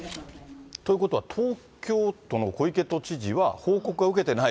ということは、東京都の小池都知事は、報告は受けてない。